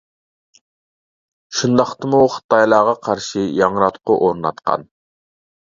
شۇنداقتىمۇ خىتايلارغا قارشى ياڭراتقۇ ئورناتقان.